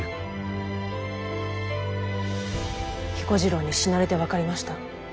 彦次郎に死なれて分かりました。